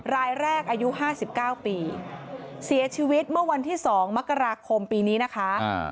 รายแรกอายุ๕๙ปีเสียชีวิตเมื่อวันที่๒มกราคมปีนี้นะคะ